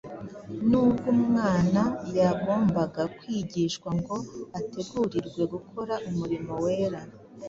Nubwo umwana yagombaga kwigishwa ngo ategurirwe gukora umurimo wera,